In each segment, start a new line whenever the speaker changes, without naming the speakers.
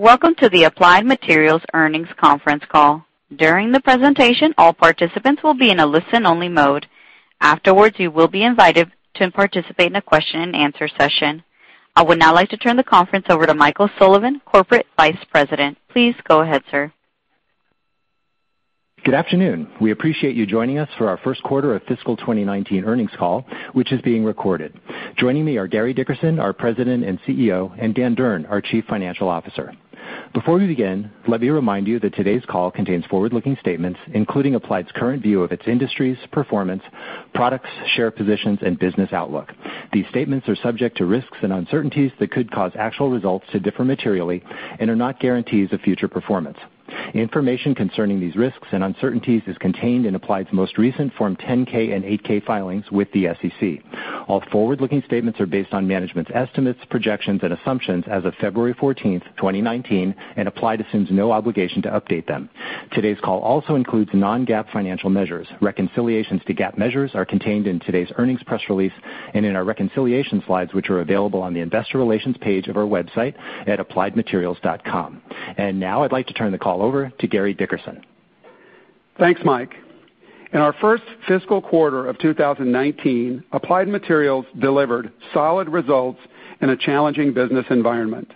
Welcome to the Applied Materials earnings conference call. During the presentation, all participants will be in a listen-only mode. Afterwards, you will be invited to participate in a question and answer session. I would now like to turn the conference over to Michael Sullivan, Corporate Vice President. Please go ahead, sir.
Good afternoon. We appreciate you joining us for our first quarter of fiscal 2019 earnings call, which is being recorded. Joining me are Gary Dickerson, our President and CEO, and Dan Durn, our Chief Financial Officer. Before we begin, let me remind you that today's call contains forward-looking statements, including Applied's current view of its industry's performance, products, share positions, and business outlook. These statements are subject to risks and uncertainties that could cause actual results to differ materially and are not guarantees of future performance. Information concerning these risks and uncertainties is contained in Applied's most recent Form 10-K and 8-K filings with the SEC. All forward-looking statements are based on management's estimates, projections, and assumptions as of February 14th, 2019, and Applied assumes no obligation to update them. Today's call also includes non-GAAP financial measures. Reconciliations to GAAP measures are contained in today's earnings press release and in our reconciliation slides, which are available on the investor relations page of our website at appliedmaterials.com. Now I'd like to turn the call over to Gary Dickerson.
Thanks, Mike. In our first fiscal quarter of 2019, Applied Materials delivered solid results in a challenging business environment.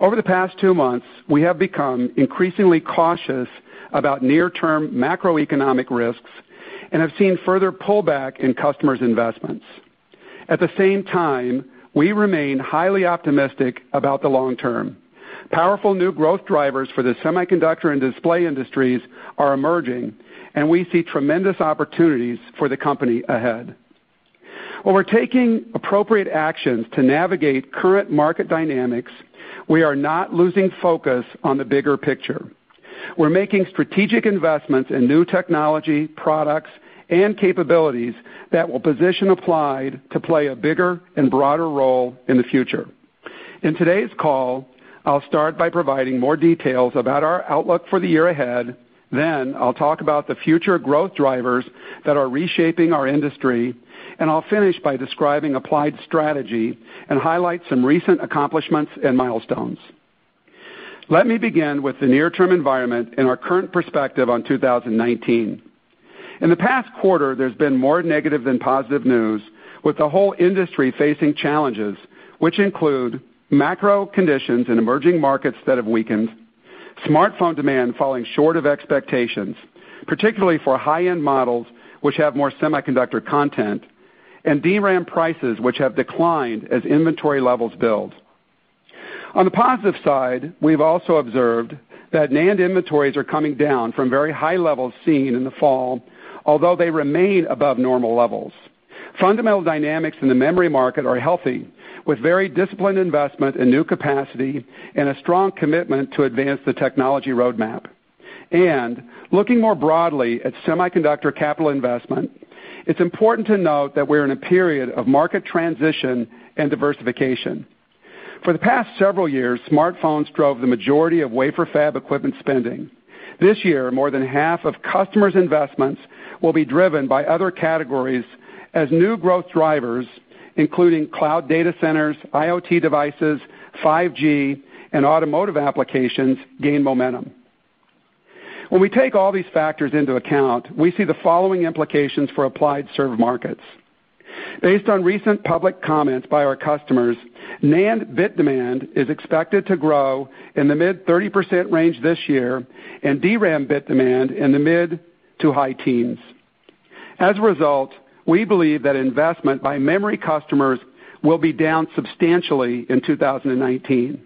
Over the past two months, we have become increasingly cautious about near-term macroeconomic risks and have seen further pullback in customers' investments. At the same time, we remain highly optimistic about the long term. Powerful new growth drivers for the semiconductor and display industries are emerging, and we see tremendous opportunities for the company ahead. While we're taking appropriate actions to navigate current market dynamics, we are not losing focus on the bigger picture. We're making strategic investments in new technology, products, and capabilities that will position Applied to play a bigger and broader role in the future. In today's call, I'll start by providing more details about our outlook for the year ahead. I'll talk about the future growth drivers that are reshaping our industry, and I'll finish by describing Applied's strategy and highlight some recent accomplishments and milestones. Let me begin with the near-term environment and our current perspective on 2019. In the past quarter, there's been more negative than positive news with the whole industry facing challenges, which include macro conditions in emerging markets that have weakened, smartphone demand falling short of expectations, particularly for high-end models which have more semiconductor content, and DRAM prices, which have declined as inventory levels build. On the positive side, we've also observed that NAND inventories are coming down from very high levels seen in the fall, although they remain above normal levels. Fundamental dynamics in the memory market are healthy, with very disciplined investment in new capacity and a strong commitment to advance the technology roadmap. Looking more broadly at semiconductor capital investment, it's important to note that we're in a period of market transition and diversification. For the past several years, smartphones drove the majority of wafer fab equipment spending. This year, more than half of customers' investments will be driven by other categories as new growth drivers, including cloud data centers, IoT devices, 5G, and automotive applications gain momentum. When we take all these factors into account, we see the following implications for Applied's served markets. Based on recent public comments by our customers, NAND bit demand is expected to grow in the mid-30% range this year and DRAM bit demand in the mid to high teens. As a result, we believe that investment by memory customers will be down substantially in 2019.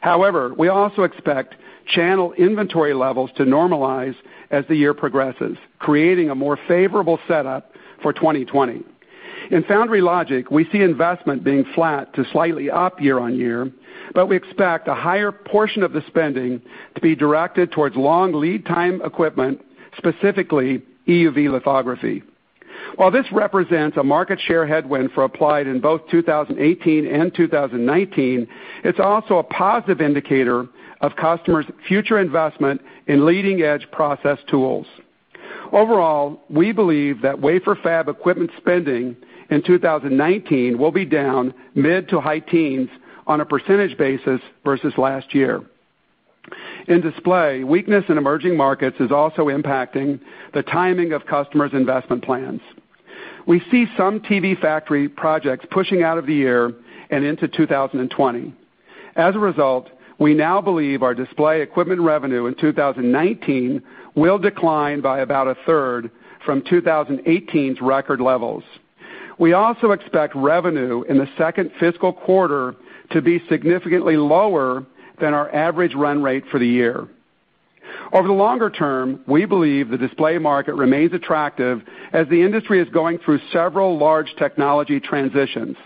However, we also expect channel inventory levels to normalize as the year progresses, creating a more favorable setup for 2020. In foundry logic, we see investment being flat to slightly up year-on-year, we expect a higher portion of the spending to be directed towards long lead time equipment, specifically EUV lithography. While this represents a market share headwind for Applied in both 2018 and 2019, it's also a positive indicator of customers' future investment in leading-edge process tools. Overall, we believe that wafer fab equipment spending in 2019 will be down mid to high teens on a percentage basis versus last year. In display, weakness in emerging markets is also impacting the timing of customers' investment plans. We see some TV factory projects pushing out of the year and into 2020. As a result, we now believe our display equipment revenue in 2019 will decline by about 1/3 from 2018's record levels. We also expect revenue in the second fiscal quarter to be significantly lower than our average run rate for the year. Over the longer term, we believe the display market remains attractive as the industry is going through several large technology transitions.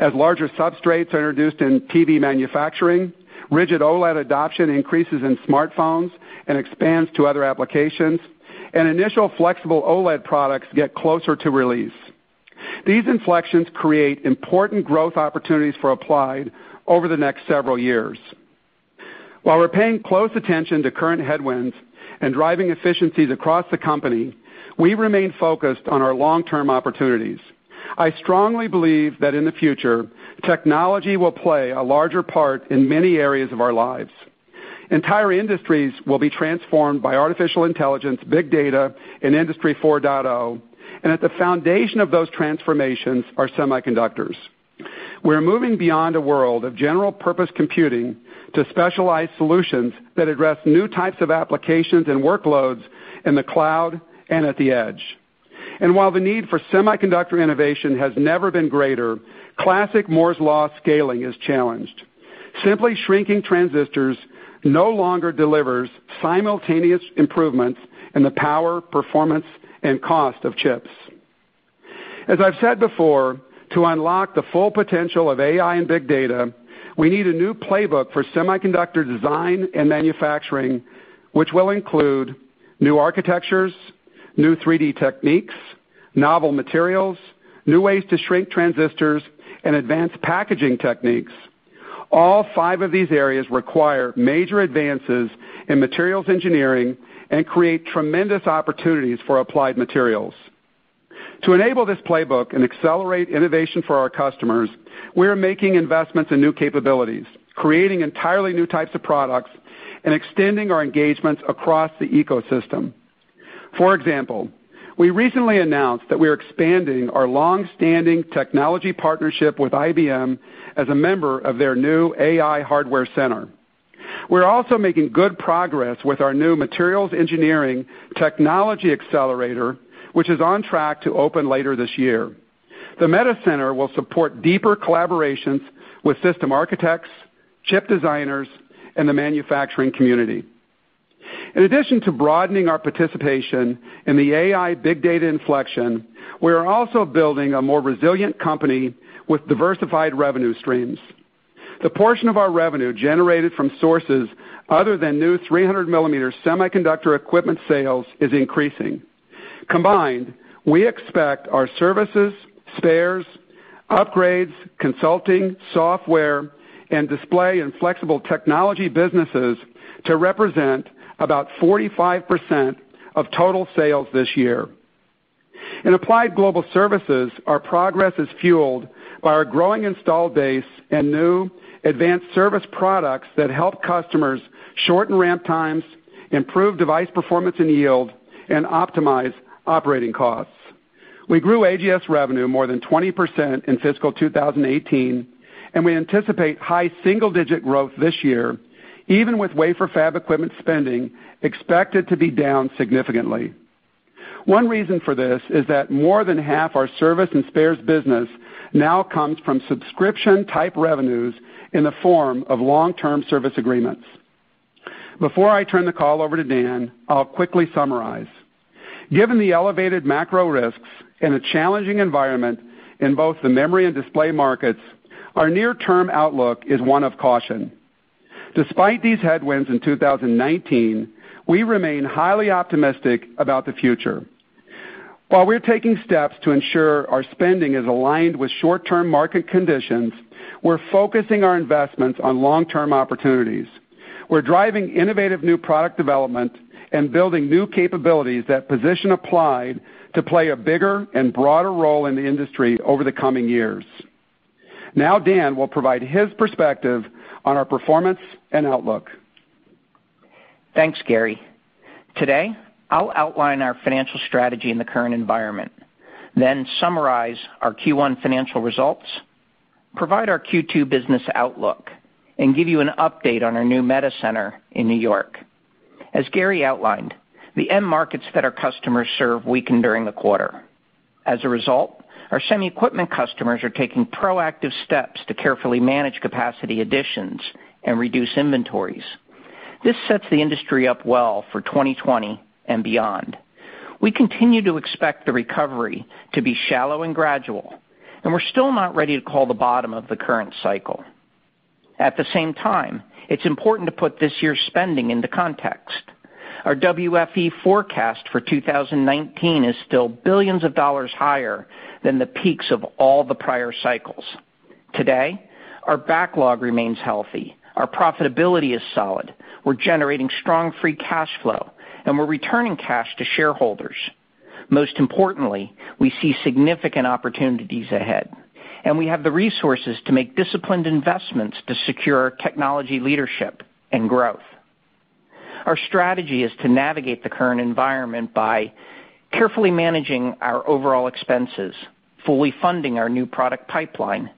As larger substrates are introduced in TV manufacturing, rigid OLED adoption increases in smartphones and expands to other applications, and initial flexible OLED products get closer to release. These inflections create important growth opportunities for Applied over the next several years. While we're paying close attention to current headwinds and driving efficiencies across the company, we remain focused on our long-term opportunities. I strongly believe that in the future, technology will play a larger part in many areas of our lives. Entire industries will be transformed by artificial intelligence, big data, and Industry 4.0, at the foundation of those transformations are semiconductors. We're moving beyond a world of general-purpose computing to specialized solutions that address new types of applications and workloads in the cloud and at the edge. While the need for semiconductor innovation has never been greater, classic Moore's Law scaling is challenged. Simply shrinking transistors no longer delivers simultaneous improvements in the power, performance, and cost of chips. As I've said before, to unlock the full potential of AI and big data, we need a new playbook for semiconductor design and manufacturing, which will include new architectures, new 3D techniques, novel materials, new ways to shrink transistors, and advanced packaging techniques. All five of these areas require major advances in materials engineering and create tremendous opportunities for Applied Materials. To enable this playbook and accelerate innovation for our customers, we are making investments in new capabilities, creating entirely new types of products, and extending our engagements across the ecosystem. We recently announced that we are expanding our long-standing technology partnership with IBM as a member of their new AI hardware center. We're also making good progress with our new Materials Engineering Technology Accelerator, which is on track to open later this year. The META Center will support deeper collaborations with system architects, chip designers, and the manufacturing community. In addition to broadening our participation in the AI big data inflection, we are also building a more resilient company with diversified revenue streams. The portion of our revenue generated from sources other than new 300 mm semiconductor equipment sales is increasing. Combined, we expect our services, spares, upgrades, consulting, software, and display and flexible technology businesses to represent about 45% of total sales this year. In Applied Global Services, our progress is fueled by our growing installed base and new advanced service products that help customers shorten ramp times, improve device performance and yield, and optimize operating costs. We grew AGS revenue more than 20% in fiscal 2018, and we anticipate high single-digit growth this year, even with wafer fab equipment spending expected to be down significantly. One reason for this is that more than half our service and spares business now comes from subscription-type revenues in the form of long-term service agreements. Before I turn the call over to Dan, I'll quickly summarize. Given the elevated macro risks and a challenging environment in both the memory and display markets, our near-term outlook is one of caution. Despite these headwinds in 2019, we remain highly optimistic about the future. While we're taking steps to ensure our spending is aligned with short-term market conditions, we're focusing our investments on long-term opportunities. We're driving innovative new product development and building new capabilities that position Applied to play a bigger and broader role in the industry over the coming years. Dan will provide his perspective on our performance and outlook.
Thanks, Gary. Today, I'll outline our financial strategy in the current environment, then summarize our Q1 financial results, provide our Q2 business outlook, and give you an update on our new META Center in New York. As Gary outlined, the end markets that our customers serve weakened during the quarter. As a result, our semi equipment customers are taking proactive steps to carefully manage capacity additions and reduce inventories. This sets the industry up well for 2020 and beyond. We continue to expect the recovery to be shallow and gradual, and we're still not ready to call the bottom of the current cycle. At the same time, it's important to put this year's spending into context. Our WFE forecast for 2019 is still billions higher than the peaks of all the prior cycles. Today, our backlog remains healthy. Our profitability is solid. We're generating strong free cash flow, we're returning cash to shareholders. Most importantly, we see significant opportunities ahead, and we have the resources to make disciplined investments to secure our technology leadership and growth. Our strategy is to navigate the current environment by carefully managing our overall expenses, fully funding our new product pipeline,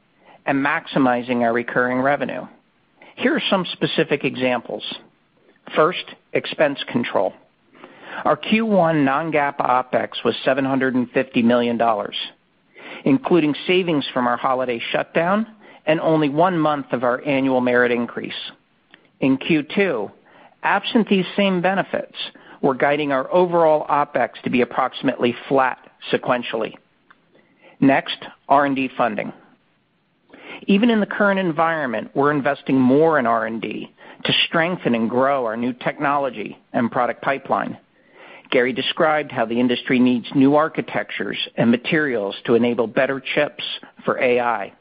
and maximizing our recurring revenue. Here are some specific examples. First, expense control. Our Q1 non-GAAP OpEx was $750 million, including savings from our holiday shutdown and only one month of our annual merit increase. In Q2, absent these same benefits, we're guiding our overall OpEx to be approximately flat sequentially. Next, R&D funding. Even in the current environment, we're investing more in R&D to strengthen and grow our new technology and product pipeline. Gary described how the industry needs new architectures and materials to enable better chips for AI.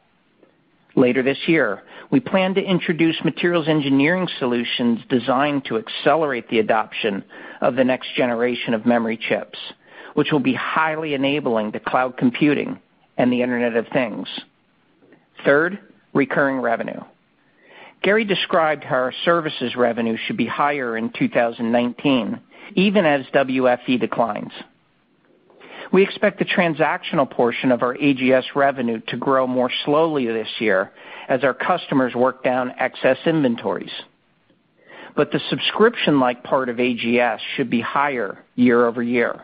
Later this year, we plan to introduce materials engineering solutions designed to accelerate the adoption of the next generation of memory chips, which will be highly enabling to cloud computing and the Internet of Things. Third, recurring revenue. Gary described how our services revenue should be higher in 2019, even as WFE declines. We expect the transactional portion of our AGS revenue to grow more slowly this year as our customers work down excess inventories. The subscription-like part of AGS should be higher year-over-year.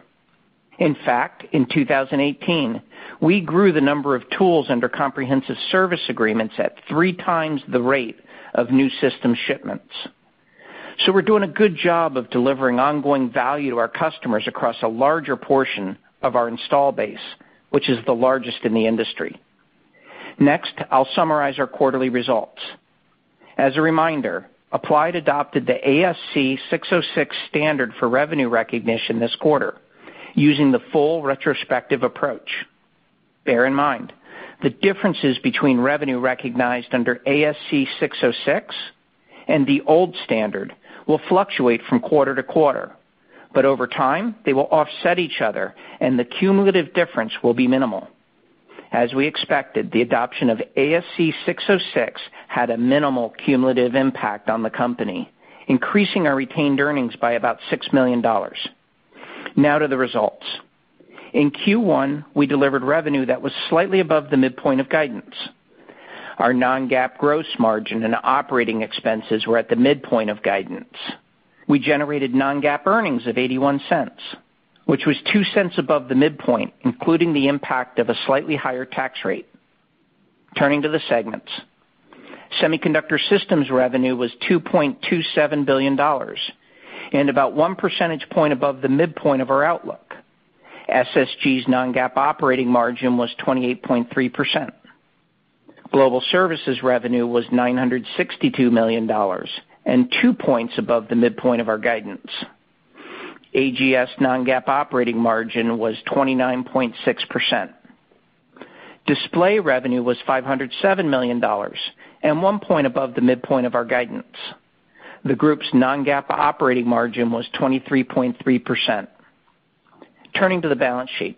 In fact, in 2018, we grew the number of tools under comprehensive service agreements at three times the rate of new system shipments. We're doing a good job of delivering ongoing value to our customers across a larger portion of our install base, which is the largest in the industry. Next, I'll summarize our quarterly results. As a reminder, Applied adopted the ASC 606 standard for revenue recognition this quarter, using the full retrospective approach. Bear in mind, the differences between revenue recognized under ASC 606 and the old standard will fluctuate from quarter-to-quarter, over time, they will offset each other, and the cumulative difference will be minimal. As we expected, the adoption of ASC 606 had a minimal cumulative impact on the company, increasing our retained earnings by about $6 million. Now to the results. In Q1, we delivered revenue that was slightly above the midpoint of guidance. Our non-GAAP gross margin and operating expenses were at the midpoint of guidance. We generated non-GAAP earnings of $0.81, which was $0.02 above the midpoint, including the impact of a slightly higher tax rate. Turning to the segments. Semiconductor Systems revenue was $2.27 billion and about 1 percentage point above the midpoint of our outlook. SSG's non-GAAP operating margin was 28.3%. Applied Global Services revenue was $962 million and two points above the midpoint of our guidance. AGS non-GAAP operating margin was 29.6%. Display revenue was $507 million and one point above the midpoint of our guidance. The group's non-GAAP operating margin was 23.3%. Turning to the balance sheet.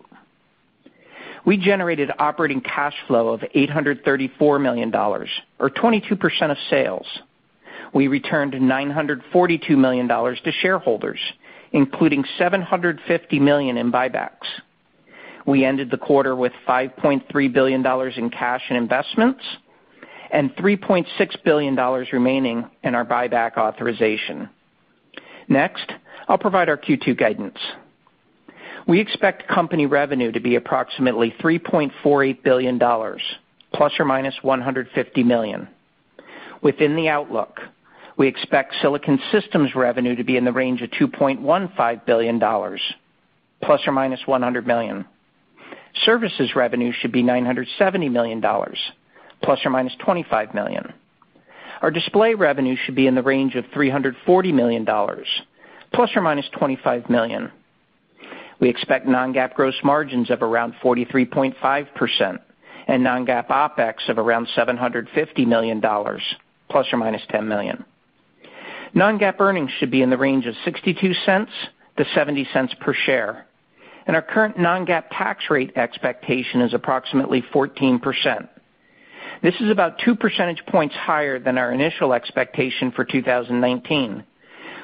We generated operating cash flow of $834 million, or 22% of sales. We returned $942 million to shareholders, including $750 million in buybacks. We ended the quarter with $5.3 billion in cash and investments and $3.6 billion remaining in our buyback authorization. Next, I'll provide our Q2 guidance. We expect company revenue to be approximately $3.48 billion, ±$150 million. Within the outlook, we expect Silicon Systems revenue to be in the range of $2.15 billion, ±$100 million. Services revenue should be $970 million, ±$25 million. Our Display revenue should be in the range of $340 million, ±$25 million. We expect non-GAAP gross margins of around 43.5% and non-GAAP OpEx of around $750 million, ±$10 million. Non-GAAP earnings should be in the range of $0.62-$0.70 per share, and our current non-GAAP tax rate expectation is approximately 14%. This is about 2 percentage points higher than our initial expectation for 2019.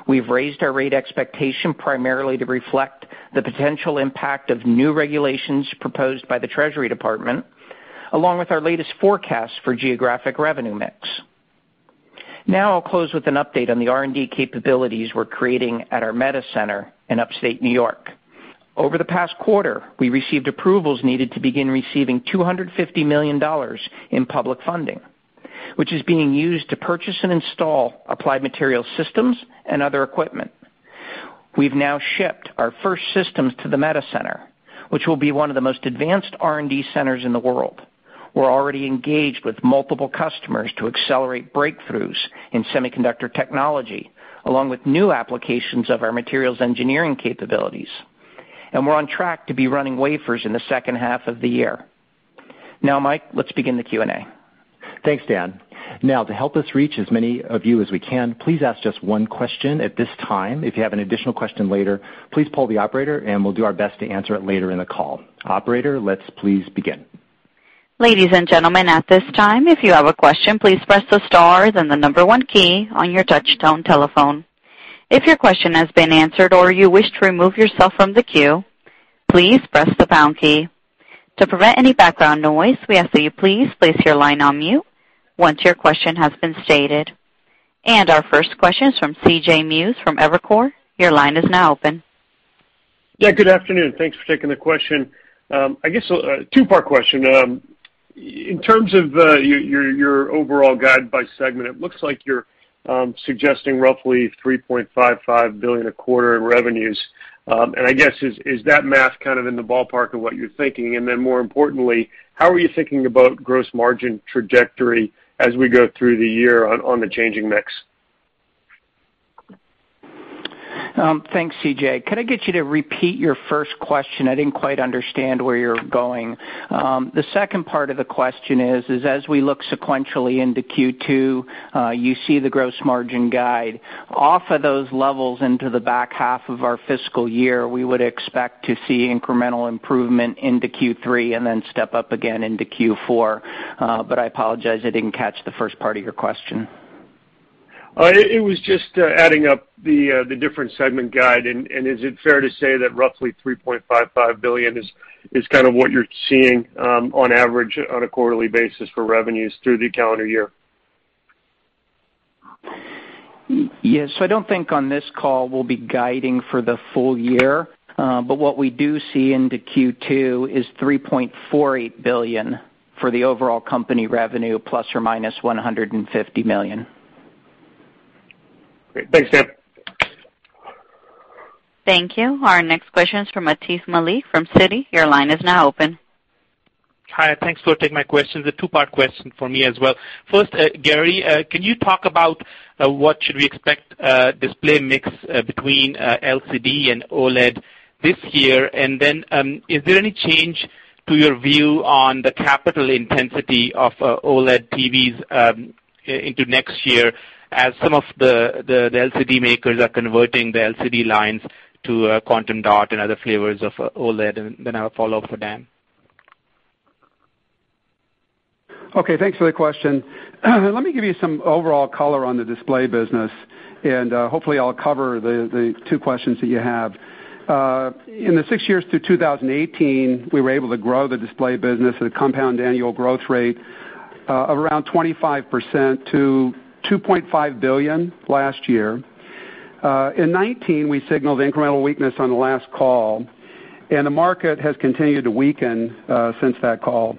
We've raised our rate expectation primarily to reflect the potential impact of new regulations proposed by the Treasury Department, along with our latest forecast for geographic revenue mix. I'll close with an update on the R&D capabilities we're creating at our META Center in upstate New York. Over the past quarter, we received approvals needed to begin receiving $250 million in public funding, which is being used to purchase and install Applied Materials systems and other equipment. We've now shipped our first systems to the META Center, which will be one of the most advanced R&D centers in the world. We're already engaged with multiple customers to accelerate breakthroughs in semiconductor technology, along with new applications of our materials engineering capabilities. We're on track to be running wafers in the second half of the year. Mike, let's begin the Q&A.
Thanks, Dan. To help us reach as many of you as we can, please ask just one question at this time. If you have an additional question later, please poll the operator, we'll do our best to answer it later in the call. Operator, let's please begin.
Ladies and gentlemen, at this time, if you have a question, please press the star then the number one key on your touch-tone telephone. If your question has been answered or you wish to remove yourself from the queue, please press the pound key. To prevent any background noise, we ask that you please place your line on mute once your question has been stated. Our first question is from C.J. Muse from Evercore. Your line is now open.
Good afternoon. Thanks for taking the question. I guess a two-part question. In terms of your overall guide by segment, it looks like you're suggesting roughly $3.55 billion a quarter in revenues. I guess, is that math kind of in the ballpark of what you're thinking? Then more importantly, how are you thinking about gross margin trajectory as we go through the year on the changing mix?
Thanks, C.J. Could I get you to repeat your first question? I didn't quite understand where you were going. The second part of the question is, as we look sequentially into Q2, you see the gross margin guide. Off of those levels into the back half of our fiscal year, we would expect to see incremental improvement into Q3 and then step up again into Q4. I apologize, I didn't catch the first part of your question.
It was just adding up the different segment guide. Is it fair to say that roughly $3.55 billion is kind of what you're seeing on average on a quarterly basis for revenues through the calendar year?
Yes. I don't think on this call we'll be guiding for the full year. What we do see into Q2 is $3.48 billion for the overall company revenue, ±$150 million.
Great. Thanks, Dan.
Thank you. Our next question is from Atif Malik from Citi. Your line is now open.
Hi. Thanks for taking my question. It's a two-part question for me as well. First, Gary, can you talk about what should we expect display mix between LCD and OLED this year? Then, is there any change to your view on the capital intensity of OLED TVs into next year, as some of the LCD makers are converting the LCD lines to quantum dot and other flavors of OLED? Then I'll follow up with Dan.
Okay. Thanks for the question. Let me give you some overall color on the display business, hopefully I'll cover the two questions that you have. In the six years through 2018, we were able to grow the display business at a compound annual growth rate of around 25% to $2.5 billion last year. In 2019, we signaled incremental weakness on the last call, the market has continued to weaken since that call.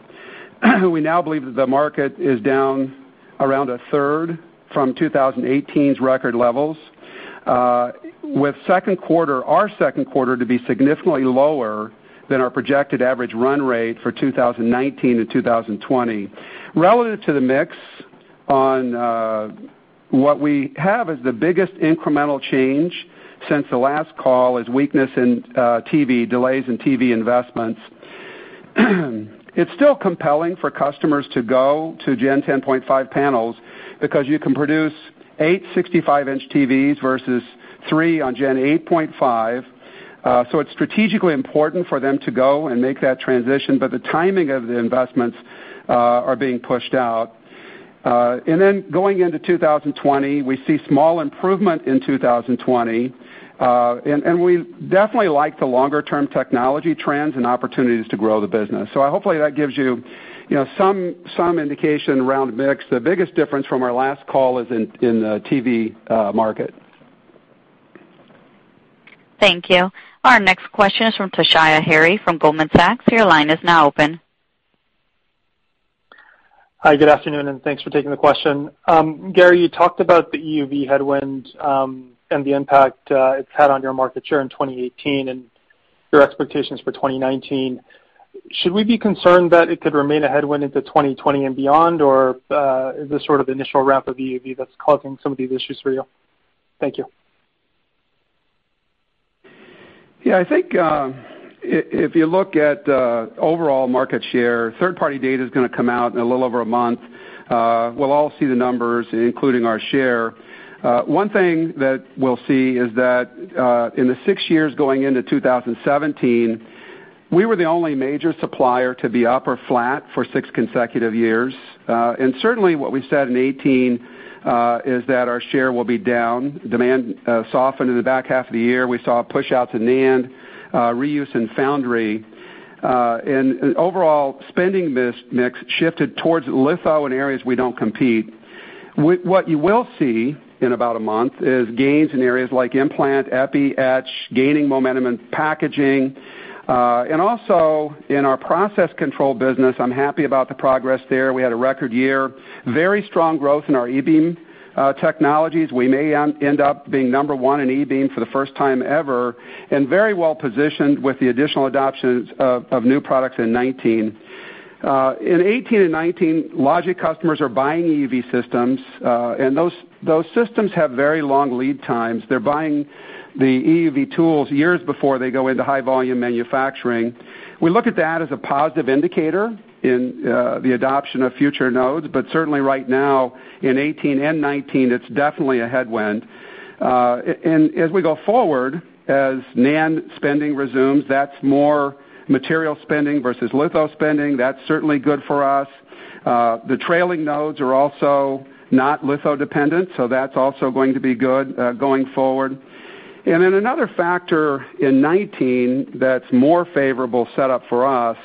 We now believe that the market is down around 1/3 from 2018's record levels, with our second quarter to be significantly lower than our projected average run rate for 2019 to 2020. Relative to the mix on what we have as the biggest incremental change since the last call is weakness in TV, delays in TV investments. It's still compelling for customers to go to Gen 10.5 panels because you can produce eight 65-inch TVs versus three on Gen 8.5. It's strategically important for them to go and make that transition, but the timing of the investments are being pushed out. Going into 2020, we see small improvement in 2020. We definitely like the longer-term technology trends and opportunities to grow the business. Hopefully that gives you some indication around mix. The biggest difference from our last call is in the TV market.
Thank you. Our next question is from Toshiya Hari from Goldman Sachs. Your line is now open.
Hi, good afternoon, and thanks for taking the question. Gary, you talked about the EUV headwind, and the impact it's had on your market share in 2018 and your expectations for 2019. Should we be concerned that it could remain a headwind into 2020 and beyond, or is this sort of initial ramp of EUV that's causing some of these issues for you? Thank you.
Yeah, I think if you look at overall market share, third-party data's going to come out in a little over a month. We'll all see the numbers, including our share. One thing that we'll see is that in the six years going into 2017, we were the only major supplier to be up or flat for six consecutive years. Certainly what we said in 2018, is that our share will be down. Demand softened in the back half of the year. We saw a push out to NAND, reuse in foundry. Overall spending mix shifted towards litho and areas we don't compete. What you will see in about a month is gains in areas like implant, Epi, etch, gaining momentum in packaging. Also in our process control business, I'm happy about the progress there. We had a record year. Very strong growth in our e-beam technologies. We may end up being number 1 in e-beam for the first time ever, very well-positioned with the additional adoptions of new products in 2019. In 2018 and 2019, logic customers are buying EUV systems, those systems have very long lead times. They're buying the EUV tools years before they go into high-volume manufacturing. We look at that as a positive indicator in the adoption of future nodes, but certainly right now in 2018 and 2019, it's definitely a headwind. As we go forward, as NAND spending resumes, that's more material spending versus litho spending. That's certainly good for us. The trailing nodes are also not litho-dependent, that's also going to be good going forward. Another factor in 2019 that's more favorable set up for us,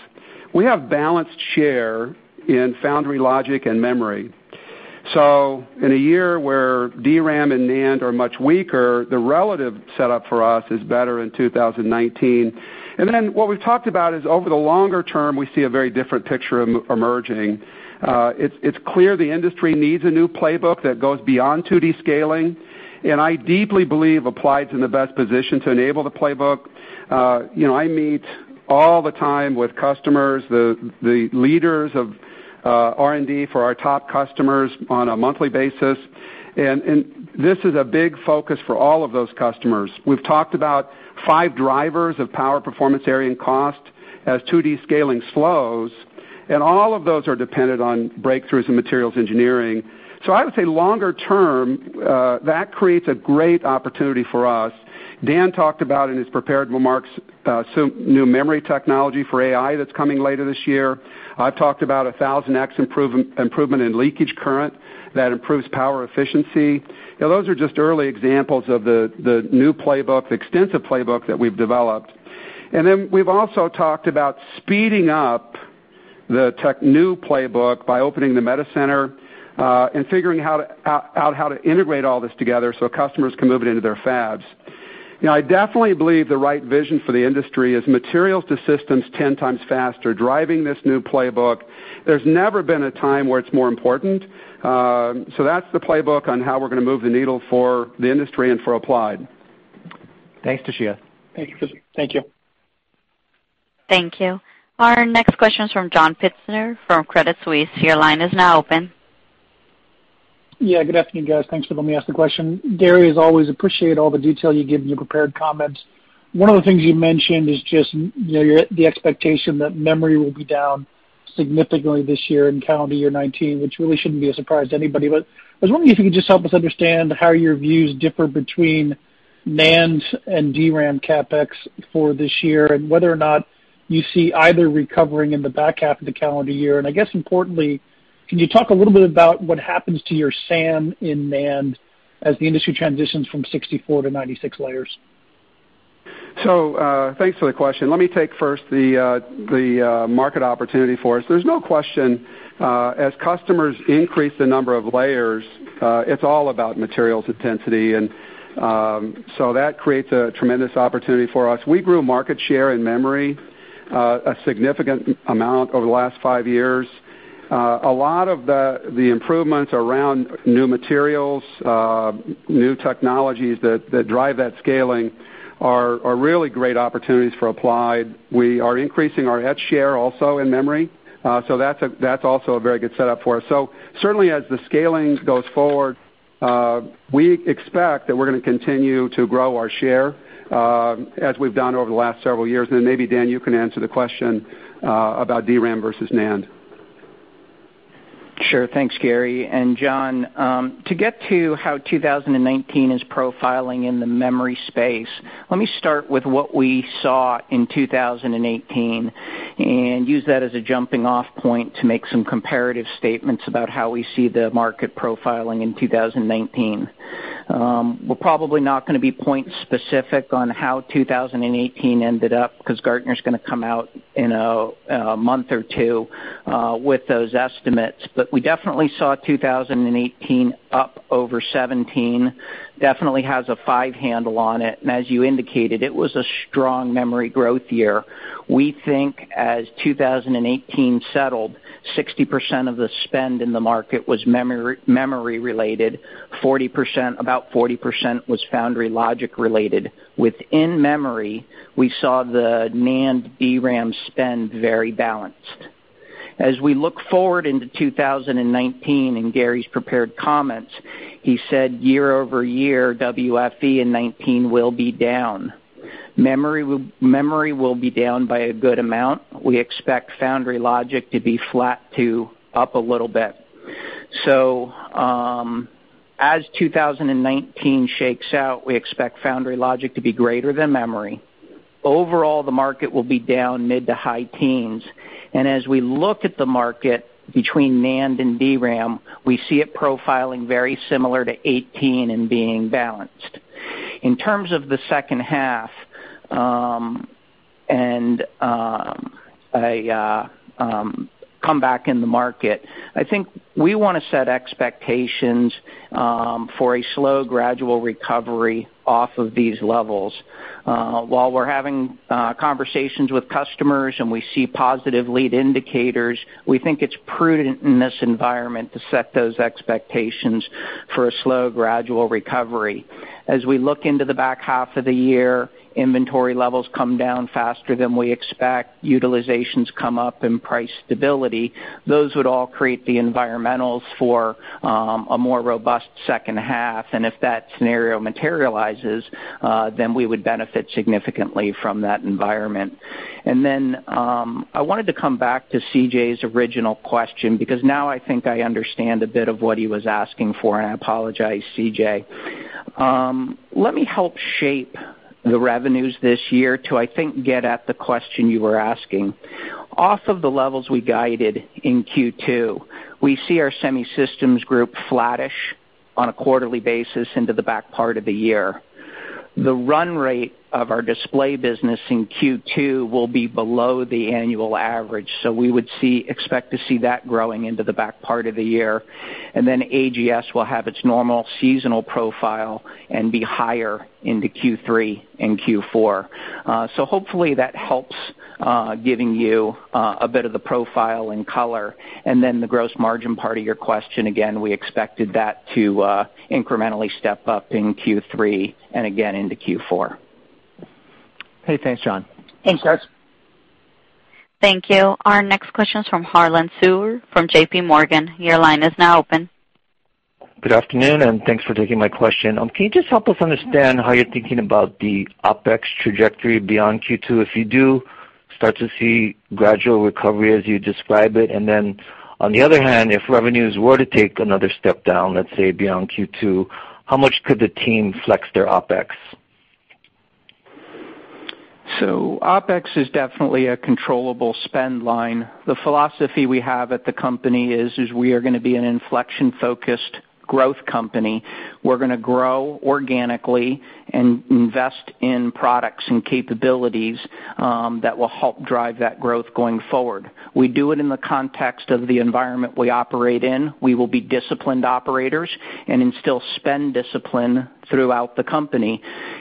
we have balanced share in foundry logic and memory. In a year where DRAM and NAND are much weaker, the relative setup for us is better in 2019. What we've talked about is over the longer term, we see a very different picture emerging. It's clear the industry needs a new playbook that goes beyond 2D scaling, I deeply believe Applied's in the best position to enable the playbook. I meet all the time with customers, the leaders of R&D for our top customers on a monthly basis. And this is a big focus for all of those customers. We've talked about five drivers of power performance area and cost as 2D scaling slows, all of those are dependent on breakthroughs in materials engineering. I would say longer term, that creates a great opportunity for us. Dan talked about in his prepared remarks, some new memory technology for AI that's coming later this year. I've talked about 1,000x improvement in leakage current that improves power efficiency. Those are just early examples of the new playbook, extensive playbook that we've developed. We've also talked about speeding up the tech new playbook by opening the META Center, figuring out how to integrate all this together so customers can move it into their fabs. I definitely believe the right vision for the industry is materials to systems 10x faster, driving this new playbook. There's never been a time where it's more important. That's the playbook on how we're going to move the needle for the industry and for Applied.
Thanks, Toshiya.
Thank you.
Thank you. Our next question is from John Pitzer from Credit Suisse. Your line is now open.
Yeah, good afternoon, guys. Thanks for letting me ask the question. Gary, as always, appreciate all the detail you give in your prepared comments. One of the things you mentioned is just the expectation that memory will be down significantly this year in calendar year 2019, which really shouldn't be a surprise to anybody. I was wondering if you could just help us understand how your views differ between NAND and DRAM CapEx for this year, and whether or not you see either recovering in the back half of the calendar year. I guess importantly, can you talk a little bit about what happens to your SAM in NAND as the industry transitions from 64 to 96 layers?
Thanks for the question. Let me take first the market opportunity for us. There's no question, as customers increase the number of layers, it's all about materials intensity, and so that creates a tremendous opportunity for us. We grew market share in memory, a significant amount over the last five years. A lot of the improvements around new materials, new technologies that drive that scaling are really great opportunities for Applied. We are increasing our etch share also in memory. That's also a very good setup for us. Certainly, as the scaling goes forward, we expect that we're going to continue to grow our share, as we've done over the last several years. Then maybe Dan, you can answer the question about DRAM versus NAND.
Sure. Thanks, Gary. John, to get to how 2019 is profiling in the memory space, let me start with what we saw in 2018 and use that as a jumping-off point to make some comparative statements about how we see the market profiling in 2019. We're probably not going to be point specific on how 2018 ended up because Gartner's going to come out in a month or two with those estimates. We definitely saw 2018 up over 2017, definitely has a five handle on it, and as you indicated, it was a strong memory growth year. We think as 2018 settled, 60% of the spend in the market was memory-related, about 40% was foundry logic related. Within memory, we saw the NAND DRAM spend very balanced. As we look forward into 2019, in Gary's prepared comments, he said year-over-year, WFE in 2019 will be down. Memory will be down by a good amount. We expect foundry logic to be flat to up a little bit. As 2019 shakes out, we expect foundry logic to be greater than memory. Overall, the market will be down mid to high teens. As we look at the market between NAND and DRAM, we see it profiling very similar to 2018 and being balanced. In terms of the second half, and a comeback in the market, I think we want to set expectations for a slow gradual recovery off of these levels. While we're having conversations with customers and we see positive lead indicators, we think it's prudent in this environment to set those expectations for a slow gradual recovery. As we look into the back half of the year, inventory levels come down faster than we expect, utilizations come up in price stability. Those would all create the environmentals for a more robust second half, and if that scenario materializes, we would benefit significantly from that environment. I wanted to come back to C.J.'s original question because now I think I understand a bit of what he was asking for, and I apologize, C.J. Let me help shape the revenues this year to, I think, get at the question you were asking. Off of the levels we guided in Q2, we see our semi systems group flattish on a quarterly basis into the back part of the year. The run rate of our display business in Q2 will be below the annual average, we would expect to see that growing into the back part of the year. AGS will have its normal seasonal profile and be higher into Q3 and Q4. Hopefully, that helps giving you a bit of the profile and color. The gross margin part of your question, again, we expected that to incrementally step up in Q3 and again into Q4.
Okay, thanks, John.
Thanks.
Thank you. Our next question is from Harlan Sur from JPMorgan. Your line is now open.
Good afternoon, and thanks for taking my question. Can you just help us understand how you're thinking about the OpEx trajectory beyond Q2? If you do start to see gradual recovery as you describe it, then on the other hand, if revenues were to take another step down, let's say beyond Q2, how much could the team flex their OpEx?
OpEx is definitely a controllable spend line. The philosophy we have at the company is we are going to be an inflection-focused growth company. We're going to grow organically and invest in products and capabilities that will help drive that growth going forward. We do it in the context of the environment we operate in. We will be disciplined operators and instill spend discipline throughout the company.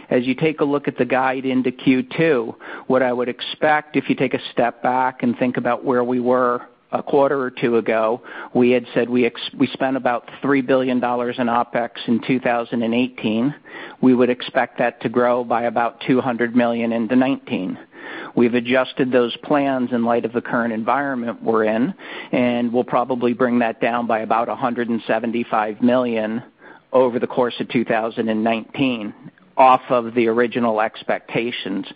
As you take a look at the guide into Q2, what I would expect, if you take a step back and think about where we were a quarter or two ago, we had said we spent about $3 billion in OpEx in 2018. We would expect that to grow by about $200 million into 2019. We've adjusted those plans in light of the current environment we're in, we'll probably bring that down by about $175 million over the course of 2019, off of the original expectations.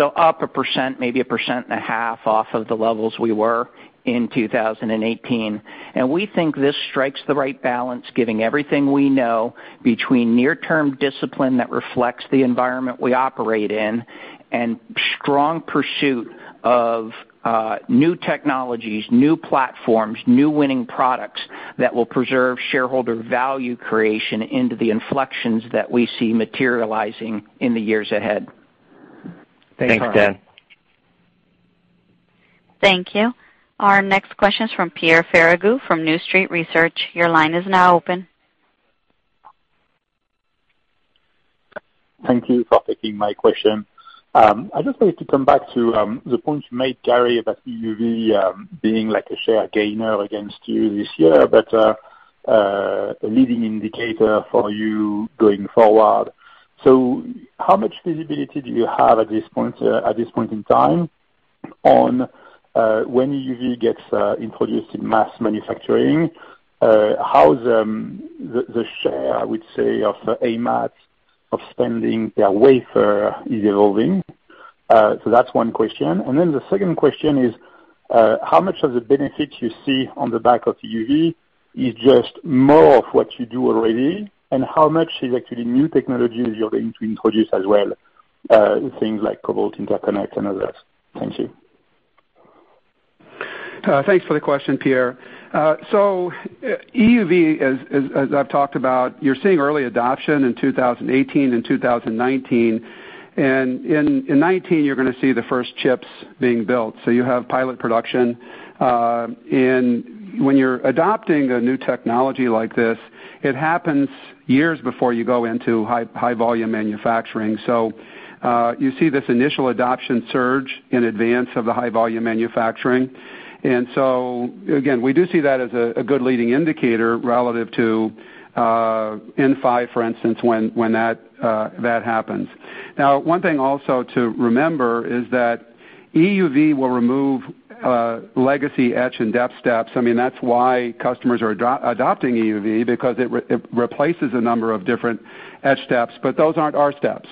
Up 1%, maybe 1.5% off of the levels we were in 2018. We think this strikes the right balance, giving everything we know between near-term discipline that reflects the environment we operate in and strong pursuit of new technologies, new platforms, new winning products that will preserve shareholder value creation into the inflections that we see materializing in the years ahead.
Thanks, Dan.
Thank you. Our next question is from Pierre Ferragu from New Street Research. Your line is now open.
Thank you for taking my question. I just wanted to come back to the point you made, Gary, about EUV being like a share gainer against you this year, but a leading indicator for you going forward. How much visibility do you have at this point in time on when EUV gets introduced in mass manufacturing? How is the share, I would say, of AMAT of spending their wafer is evolving? That's one question. Then the second question is, how much of the benefit you see on the back of EUV is just more of what you do already, and how much is actually new technologies you're going to introduce as well, things like cobalt interconnect and others? Thank you.
Thanks for the question, Pierre. EUV, as I've talked about, you're seeing early adoption in 2018 and 2019, and in 2019, you're going to see the first chips being built. You have pilot production. When you're adopting a new technology like this, it happens years before you go into high volume manufacturing. You see this initial adoption surge in advance of the high volume manufacturing. Again, we do see that as a good leading indicator relative to N5, for instance, when that happens. Now, one thing also to remember is that EUV will remove legacy etch and depth steps. I mean, that's why customers are adopting EUV, because it replaces a number of different etch steps, but those aren't our steps.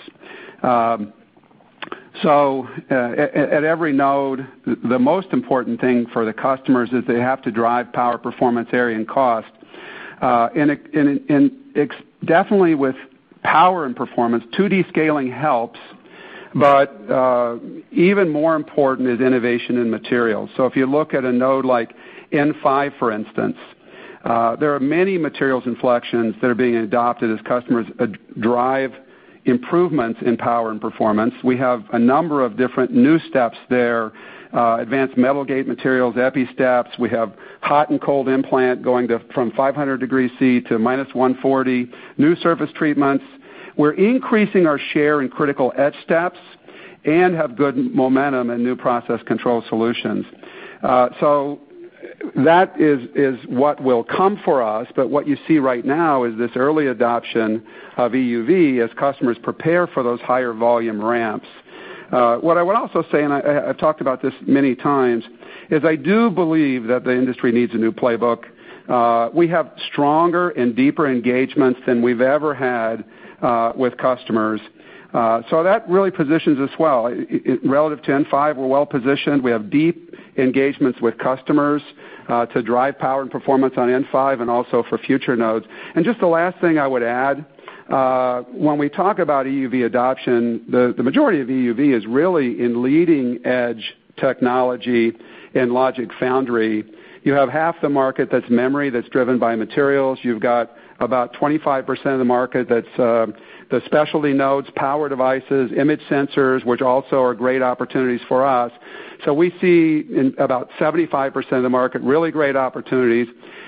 At every node, the most important thing for the customers is they have to drive power, performance, area, and cost. Definitely with power and performance, 2D scaling helps, but even more important is innovation in materials. If you look at a node like N5, for instance, there are many materials inflections that are being adopted as customers drive improvements in power and performance. We have a number of different new steps there, advanced metal gate materials, Epi steps. We have hot and cold implant going from 500 degrees C to -140, new surface treatments. We're increasing our share in critical etch steps and have good momentum in new process control solutions. That is what will come for us, but what you see right now is this early adoption of EUV as customers prepare for those higher volume ramps. What I would also say, and I've talked about this many times, is I do believe that the industry needs a new playbook. We have stronger and deeper engagements than we've ever had with customers. That really positions us well. Relative to N5, we're well-positioned. We have deep engagements with customers to drive power and performance on N5 and also for future nodes. Just the last thing I would add, when we talk about EUV adoption, the majority of EUV is really in leading-edge technology in logic foundry. You have half the market that's memory, that's driven by materials. You've got about 25% of the market that's the specialty nodes, power devices, image sensors, which also are great opportunities for us. We see in about 75% of the market, really great opportunities.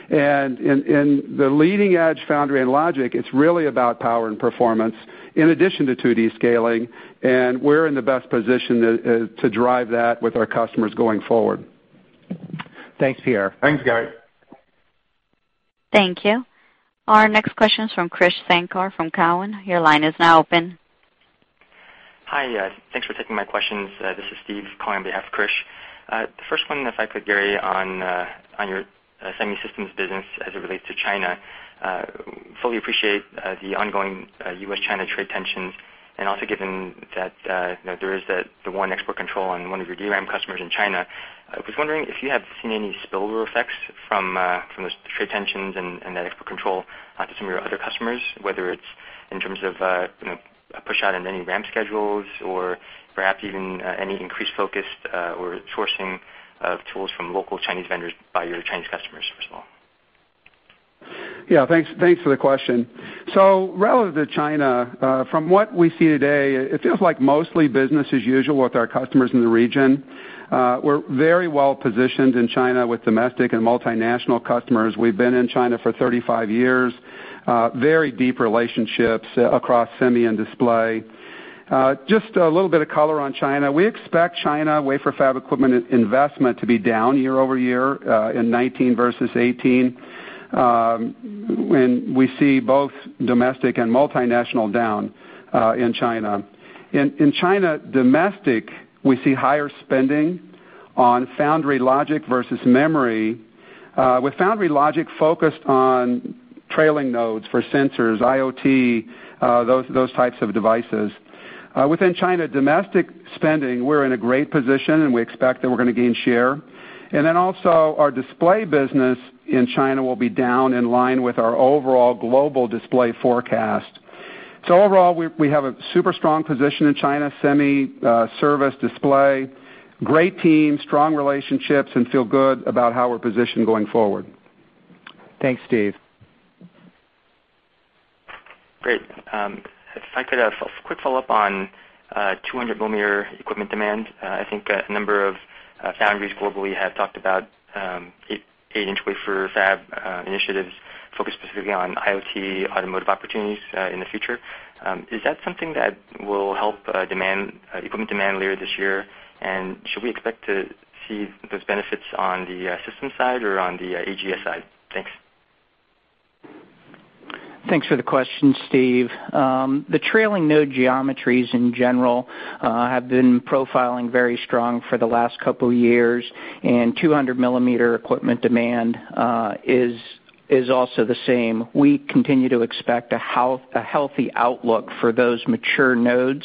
In the leading-edge foundry and logic, it's really about power and performance in addition to 2D scaling, and we're in the best position to drive that with our customers going forward.
Thanks, Pierre.
Thanks, Gary.
Thank you. Our next question is from Krish Sankar from Cowen. Your line is now open.
Hi. Thanks for taking my questions. This is Steve calling on behalf of Krish. The first one, if I could, Gary, on your semi systems business as it relates to China. Fully appreciate the ongoing U.S.-China trade tensions, also given that there is the one export control on one of your DRAM customers in China. I was wondering if you have seen any spillover effects from those trade tensions and that export control to some of your other customers, whether it's in terms of a pushout on any ramp schedules or perhaps even any increased focus or sourcing of tools from local Chinese vendors by your Chinese customers as well.
Yeah. Thanks for the question. Relative to China, from what we see today, it feels like mostly business as usual with our customers in the region. We're very well-positioned in China with domestic and multinational customers. We've been in China for 35 years. Very deep relationships across semi and display. Just a little bit of color on China. We expect China wafer fab equipment investment to be down year-over-year in 2019 versus 2018. We see both domestic and multinational down in China. In China domestic, we see higher spending on foundry logic versus memory, with foundry logic focused on trailing nodes for sensors, IoT, those types of devices. Within China domestic spending, we're in a great position, we expect that we're going to gain share. Then also our display business in China will be down in line with our overall global display forecast. Overall, we have a super strong position in China Semiconductor service display, great team, strong relationships, and feel good about how we're positioned going forward.
Thanks, Krish.
Great. If I could, a quick follow-up on 200 mm equipment demand. I think a number of foundries globally have talked about 8 inch wafer fab initiatives focused specifically on IoT automotive opportunities in the future. Is that something that will help equipment demand later this year, and should we expect to see those benefits on the system side or on the AGS side? Thanks.
Thanks for the question, Steve. The trailing node geometries in general have been profiling very strong for the last couple of years. 200 mm equipment demand is also the same. We continue to expect a healthy outlook for those mature nodes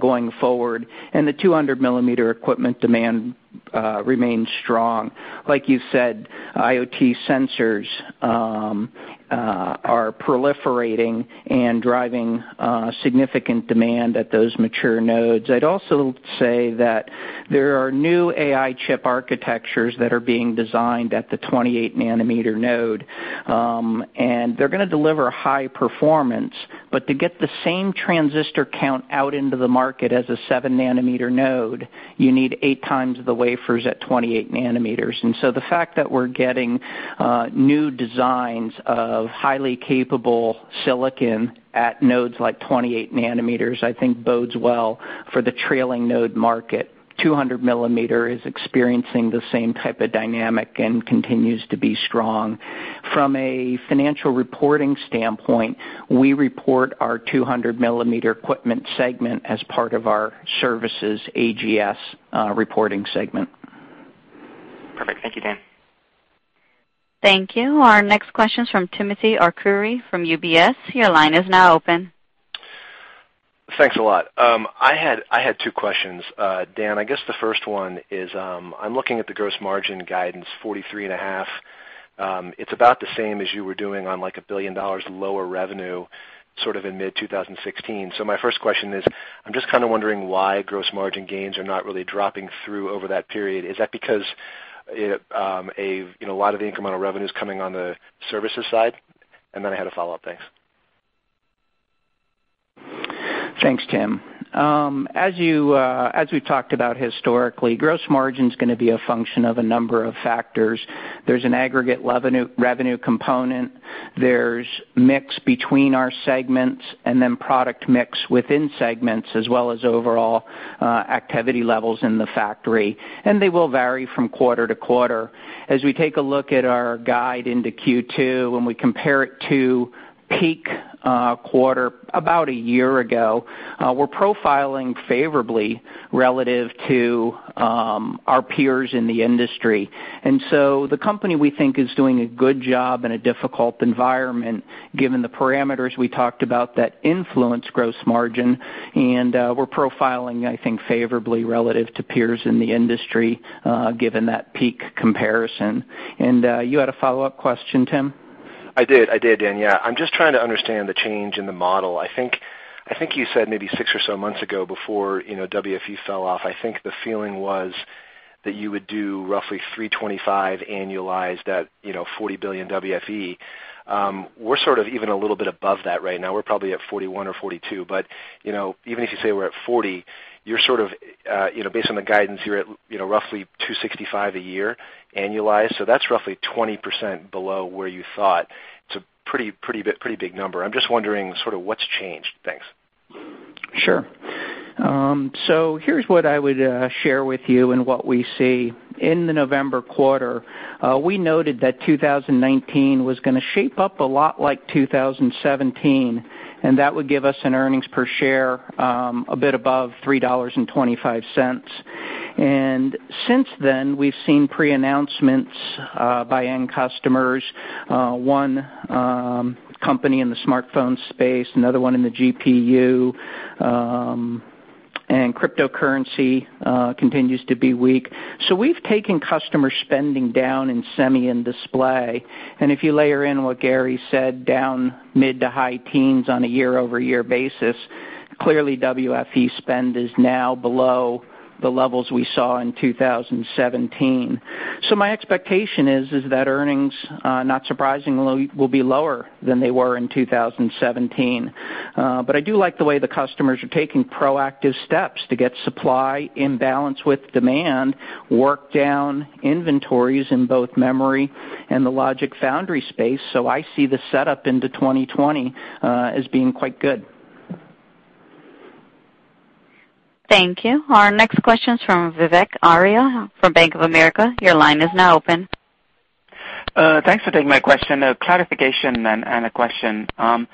going forward. The 200 mm equipment demand remains strong. Like you said, IoT sensors are proliferating and driving significant demand at those mature nodes. I'd also say that there are new AI chip architectures that are being designed at the 28 nm node, and they're going to deliver high performance, but to get the same transistor count out into the market as a 7 nm node, you need 8x the wafers at 28 nm. The fact that we're getting new designs of highly capable silicon at nodes like 28 nm, I think bodes well for the trailing node market. 200 mm is experiencing the same type of dynamic and continues to be strong. From a financial reporting standpoint, we report our 200 mm equipment segment as part of our services AGS reporting segment.
Perfect. Thank you, Dan.
Thank you. Our next question is from Timothy Arcuri from UBS. Your line is now open.
Thanks a lot. I had two questions. Dan, I guess the first one is, I'm looking at the gross margin guidance, 43.5%. It's about the same as you were doing on like a $1 billion lower revenue, sort of in mid-2016. My first question is, I'm just kind of wondering why gross margin gains are not really dropping through over that period. Is that because a lot of the incremental revenue is coming on the services side? I had a follow-up. Thanks.
Thanks, Tim. As we've talked about historically, gross margin's going to be a function of a number of factors. There's an aggregate revenue component, there's mix between our segments, and then product mix within segments, as well as overall activity levels in the factory. They will vary from quarter to quarter. As we take a look at our guide into Q2, when we compare it to peak quarter about a year ago, we're profiling favorably relative to our peers in the industry. The company, we think, is doing a good job in a difficult environment, given the parameters we talked about that influence gross margin. We're profiling, I think, favorably relative to peers in the industry, given that peak comparison. You had a follow-up question, Tim?
I did. I did, Dan. I'm just trying to understand the change in the model. I think you said maybe six or so months ago before WFE fell off, I think the feeling was that you would do roughly $3.25 annualized at $40 billion WFE. We're sort of even a little bit above that right now. We're probably at $41 or $42, but even if you say we're at $40, based on the guidance, you're at roughly $2.65 a year annualized. That's roughly 20% below where you thought. It's a pretty big number. I'm just wondering sort of what's changed. Thanks.
Sure. Here's what I would share with you and what we see. In the November quarter, we noted that 2019 was going to shape up a lot like 2017, and that would give us an earnings per share, a bit above $3.25. Since then, we've seen pre-announcements by end customers. One company in the smartphone space, another one in the GPU, cryptocurrency continues to be weak. We've taken customer spending down in semi and display, and if you layer in what Gary said, down mid to high teens on a year-over-year basis, clearly WFE spend is now below the levels we saw in 2017. My expectation is that earnings, not surprisingly, will be lower than they were in 2017. I do like the way the customers are taking proactive steps to get supply in balance with demand, work down inventories in both memory and the logic foundry space. I see the setup into 2020 as being quite good.
Thank you. Our next question is from Vivek Arya from Bank of America. Your line is now open.
Thanks for taking my question. A clarification and a question. On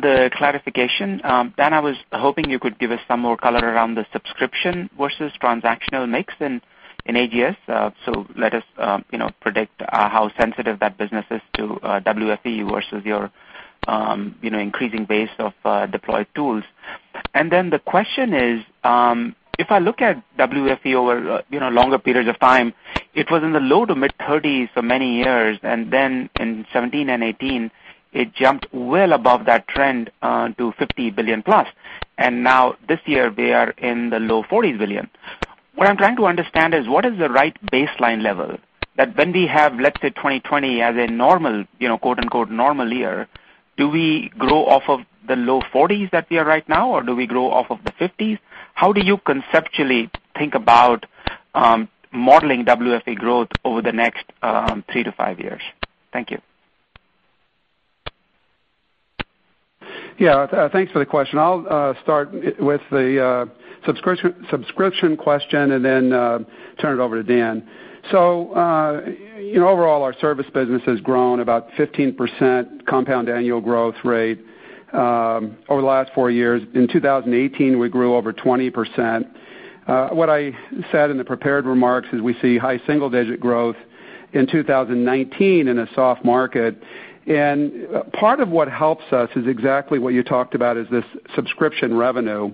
the clarification, Dan, I was hoping you could give us some more color around the subscription versus transactional mix in AGS. Let us predict how sensitive that business is to WFE versus your increasing base of deployed tools. The question is, if I look at WFE over longer periods of time, it was in the low to mid-30s for many years, and then in 2017 and 2018, it jumped well above that trend to $50 billion plus. Now this year they are in the low $40 billion. What I'm trying to understand is what is the right baseline level that when we have, let's say, 2020 as a normal, "normal year," do we grow off of the low 40s that we are right now, or do we grow off of the 50s? How do you conceptually think about modeling WFE growth over the next three to five years? Thank you.
Yeah. Thanks for the question. I'll start with the subscription question and then turn it over to Dan. Overall our service business has grown about 15% compound annual growth rate, over the last four years. In 2018, we grew over 20%. What I said in the prepared remarks is we see high single-digit growth in 2019 in a soft market. Part of what helps us is exactly what you talked about, is this subscription revenue.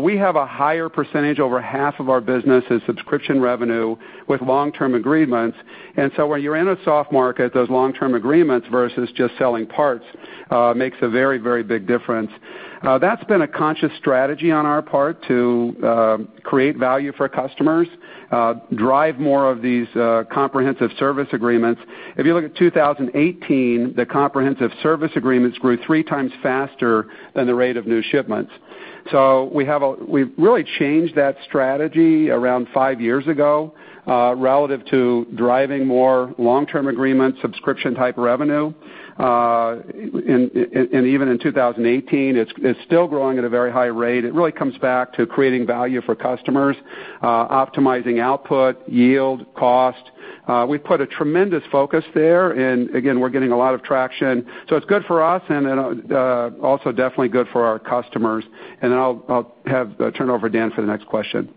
We have a higher percentage, over half of our business is subscription revenue with long-term agreements. When you're in a soft market, those long-term agreements versus just selling parts, makes a very, very big difference. That's been a conscious strategy on our part to create value for customers, drive more of these comprehensive service agreements.
If you look at 2018, the comprehensive service agreements grew 3x faster than the rate of new shipments. We've really changed that strategy around five years ago, relative to driving more long-term agreement, subscription-type revenue. Even in 2018, it's still growing at a very high rate. It really comes back to creating value for customers, optimizing output, yield, cost. We put a tremendous focus there, and again, we're getting a lot of traction. It's good for us and also definitely good for our customers. I'll turn it over to Dan for the next question.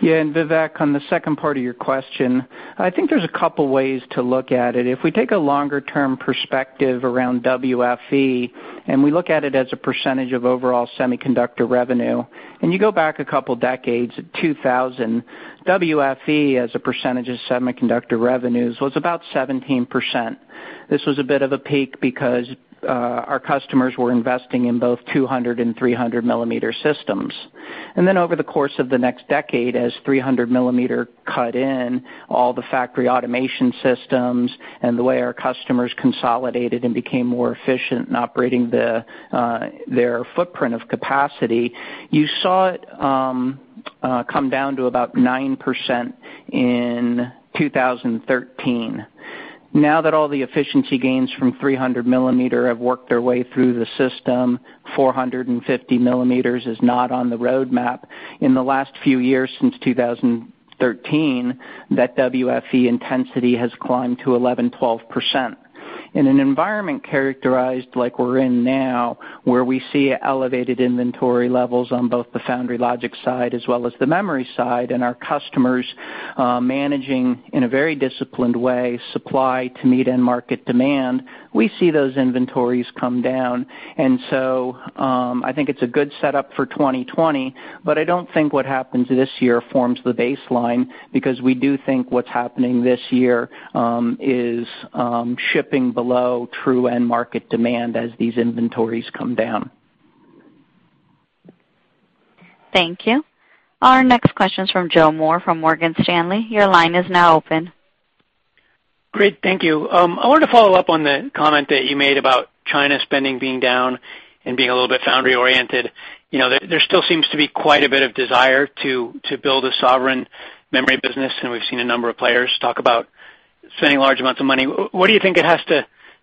Vivek, on the second part of your question, I think there's a couple ways to look at it. If we take a longer-term perspective around WFE, and we look at it as a percentage of overall semiconductor revenue, and you go back a couple decades, 2000, WFE as a percentage of semiconductor revenue was about 17%. This was a bit of a peak because our customers were investing in both 200 and 300 mm systems. Over the course of the next decade, as 300 mm cut in all the factory automation systems and the way our customers consolidated and became more efficient in operating their footprint of capacity, you saw it come down to about 9% in 2013. Now that all the efficiency gains from 300 mm have worked their way through the system, 450 mm is not on the roadmap. In the last few years since 2013, that WFE intensity has climbed to 11%, 12%. In an environment characterized like we're in now, where we see elevated inventory levels on both the foundry logic side as well as the memory side, and our customers managing in a very disciplined way, supply to meet end market demand, we see those inventories come down. I think it's a good setup for 2020, but I don't think what happens this year forms the baseline because we do think what's happening this year is shipping below true end market demand as these inventories come down.
Thank you. Our next question is from Joe Moore from Morgan Stanley. Your line is now open.
Great. Thank you. I wanted to follow up on the comment that you made about China spending being down and being a little bit foundry-oriented. There still seems to be quite a bit of desire to build a sovereign memory business, and we've seen a number of players talk about spending large amounts of money. What do you think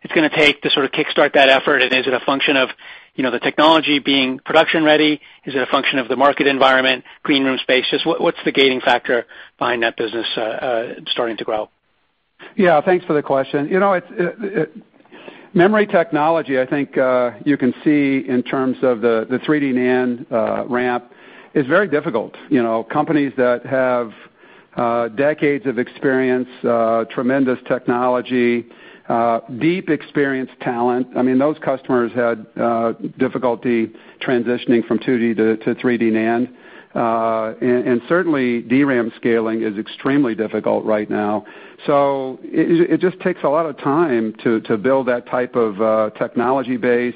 it's going to take to sort of kickstart that effort? Is it a function of the technology being production-ready? Is it a function of the market environment, clean room space? Just what's the gating factor behind that business starting to grow?
Yeah. Thanks for the question. Memory technology, I think you can see in terms of the 3D NAND ramp is very difficult. Companies that have decades of experience, tremendous technology, deep experienced talent, I mean, those customers had difficulty transitioning from 2D to 3D NAND. Certainly DRAM scaling is extremely difficult right now. It just takes a lot of time to build that type of technology base.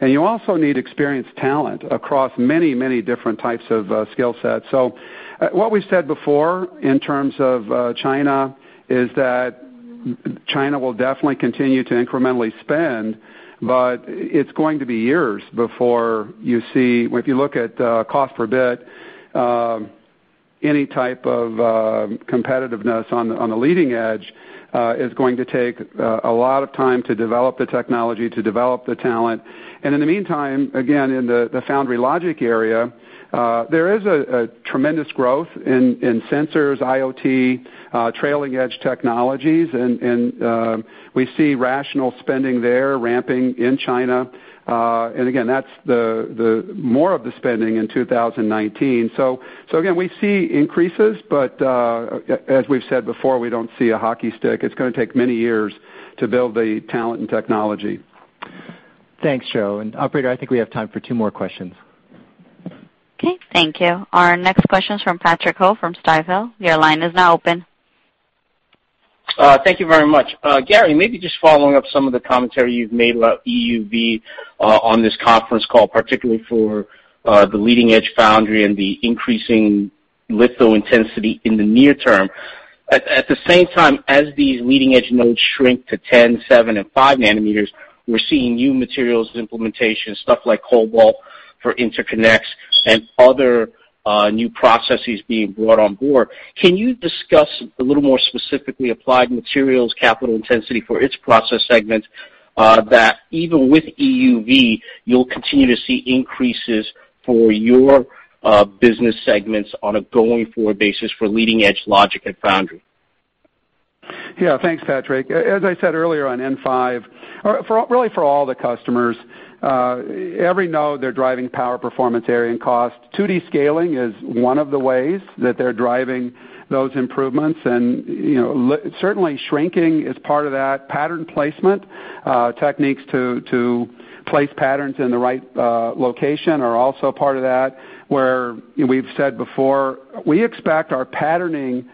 You also need experienced talent across many different types of skill sets. What we've said before in terms of China is that China will definitely continue to incrementally spend, but it's going to be years before you see. If you look at cost per bit, any type of competitiveness on the leading edge is going to take a lot of time to develop the technology, to develop the talent. In the meantime, again, in the foundry logic area, there is a tremendous growth in sensors, IoT, trailing edge technologies, and we see rational spending there ramping in China. Again, that's more of the spending in 2019. Again, we see increases, but as we've said before, we don't see a hockey stick. It's going to take many years to build the talent and technology.
Thanks, Joe. Operator, I think we have time for two more questions.
Okay. Thank you. Our next question is from Patrick Ho from Stifel. Your line is now open.
Thank you very much. Gary, maybe just following up some of the commentary you've made about EUV on this conference call, particularly for the leading-edge foundry and the increasing litho intensity in the near term. At the same time, as these leading-edge nodes shrink to 10 nm, 7 nm, and 5 nm, we're seeing new materials implementation, stuff like cobalt for interconnects and other new processes being brought on board. Can you discuss a little more specifically Applied Materials capital intensity for its process segment that even with EUV, you'll continue to see increases for your business segments on a going-forward basis for leading-edge logic and foundry?
Yeah. Thanks, Patrick. As I said earlier on N5, really for all the customers, every node they're driving power, performance, area, and cost. 2D scaling is one of the ways that they're driving those improvements, and certainly shrinking is part of that. Pattern placement techniques to place patterns in the right location are also part of that, where we've said before, we expect our patterning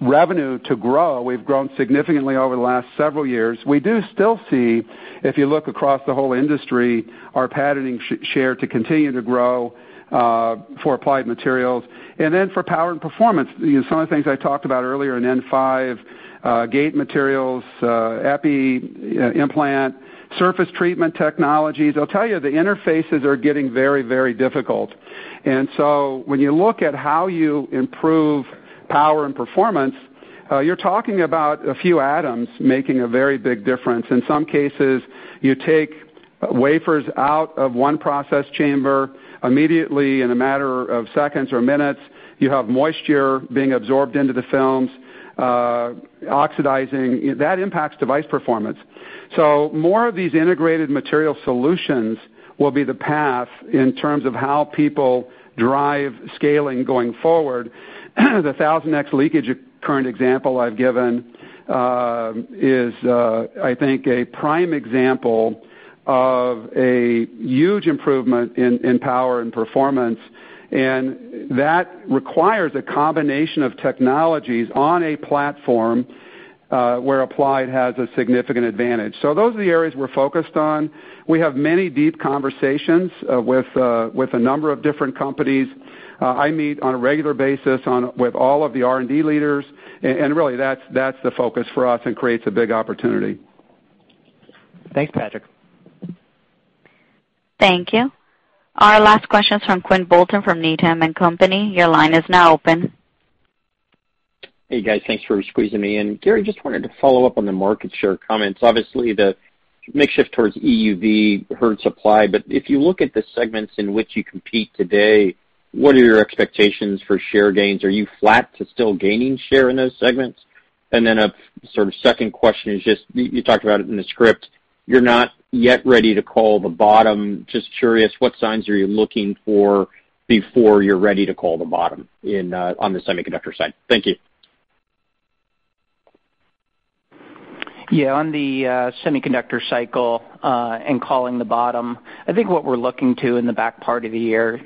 revenue to grow. We've grown significantly over the last several years. We do still see, if you look across the whole industry, our patterning share to continue to grow for Applied Materials. For power and performance, some of the things I talked about earlier in N5, gate materials, Epi implant, surface treatment technologies. I'll tell you, the interfaces are getting very difficult. When you look at how you improve power and performance, you're talking about a few atoms making a very big difference. In some cases, you take wafers out of one process chamber. Immediately, in a matter of seconds or minutes, you have moisture being absorbed into the films, oxidizing. That impacts device performance. More of these integrated material solutions will be the path in terms of how people drive scaling going forward. The 1000x leakage current example I've given is, I think, a prime example of a huge improvement in power and performance, and that requires a combination of technologies on a platform where Applied has a significant advantage. Those are the areas we're focused on. We have many deep conversations with a number of different companies. I meet on a regular basis with all of the R&D leaders, really that's the focus for us and creates a big opportunity.
Thanks, Patrick.
Thank you. Our last question is from Quinn Bolton from Needham & Company. Your line is now open.
Hey, guys. Thanks for squeezing me in. Gary, just wanted to follow up on the market share comments. Obviously, the makeshift towards EUV hurts Applied. If you look at the segments in which you compete today, what are your expectations for share gains? Are you flat to still gaining share in those segments? Then a sort of second question is just, you talked about it in the script, you're not yet ready to call the bottom. Just curious, what signs are you looking for before you're ready to call the bottom on the semiconductor side? Thank you.
Yeah. On the semiconductor cycle and calling the bottom, I think what we're looking to in the back part of the year,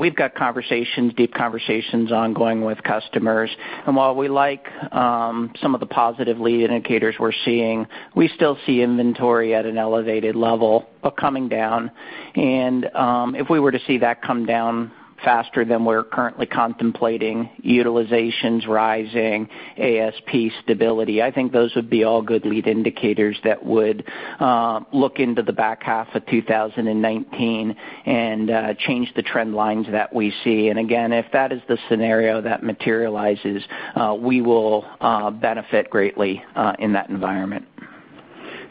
we've got conversations, deep conversations ongoing with customers. While we like some of the positive lead indicators we're seeing, we still see inventory at an elevated level, but coming down. If we were to see that come down faster than we're currently contemplating, utilizations rising, ASP stability, I think those would be all good lead indicators that would look into the back half of 2019 and change the trend lines that we see. Again, if that is the scenario that materializes, we will benefit greatly in that environment.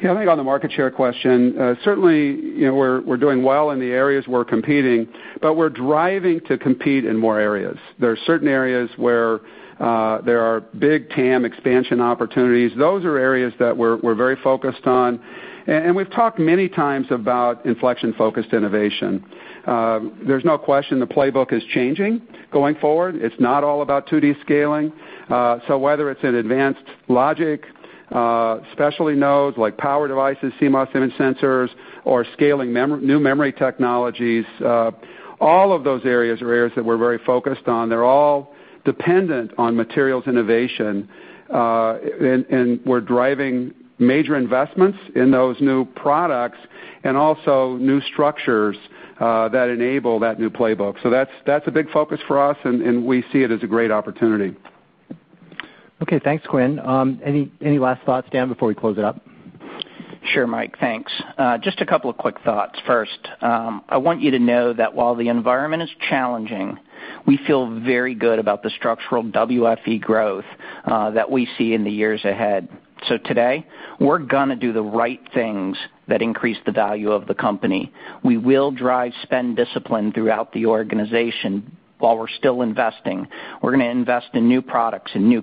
I think on the market share question, certainly, we're doing well in the areas we're competing, but we're driving to compete in more areas. There are certain areas where there are big TAM expansion opportunities. Those are areas that we're very focused on, we've talked many times about inflection-focused innovation. There's no question the playbook is changing going forward. It's not all about 2D scaling. Whether it's in advanced logic, specialty nodes like power devices, CMOS image sensors, or scaling new memory technologies, all of those areas are areas that we're very focused on. They're all dependent on materials innovation. We're driving major investments in those new products and also new structures that enable that new playbook. That's a big focus for us, and we see it as a great opportunity.
Okay, thanks, Quinn. Any last thoughts, Dan, before we close it up?
Sure, Mike, thanks. Just a couple of quick thoughts. First, I want you to know that while the environment is challenging, we feel very good about the structural WFE growth that we see in the years ahead. Today, we're going to do the right things that increase the value of the company. We will drive spend discipline throughout the organization while we're still investing. We're going to invest in new products and new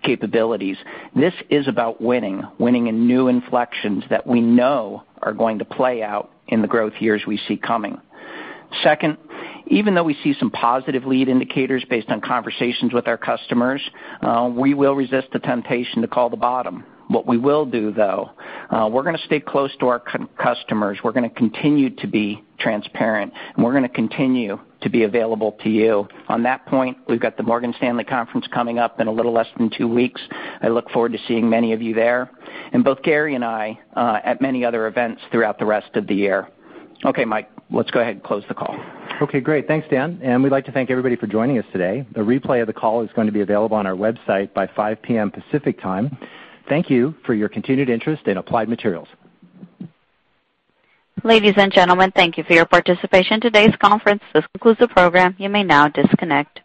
capabilities. This is about winning in new inflections that we know are going to play out in the growth years we see coming. Second, even though we see some positive lead indicators based on conversations with our customers, we will resist the temptation to call the bottom. What we will do, though, we're going to stay close to our customers. We're going to continue to be transparent, we're going to continue to be available to you. On that point, we've got the Morgan Stanley conference coming up in a little less than two weeks. I look forward to seeing many of you there, and both Gary and I at many other events throughout the rest of the year. Mike, let's go ahead and close the call.
Okay, great. Thanks, Dan, and we'd like to thank everybody for joining us today. A replay of the call is going to be available on our website by 5:00 P.M. Pacific Time. Thank you for your continued interest in Applied Materials.
Ladies and gentlemen, thank you for your participation in today's conference. This concludes the program. You may now disconnect.